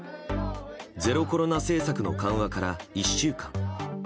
ゼロコロナ政策の緩和から１週間。